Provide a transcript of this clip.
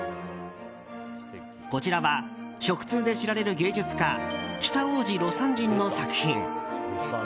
こちらは食通で知られる芸術家・北大路魯山人の作品。